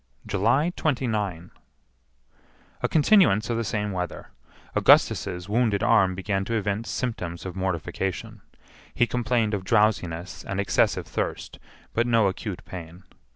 July 29. A continuance of the same weather. Augustus's wounded arm began to evince symptoms of mortification. He complained of drowsiness and excessive thirst, but no acute pain.